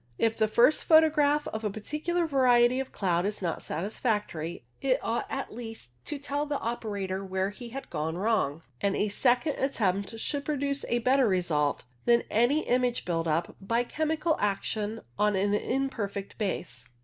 If the first photograph of a particular variety of cloud is not satisfactory, it ought at least to tell the operator where he had gone wrong, and a second attempt should produce a better result than any image built up by chemical action on an imperfect base.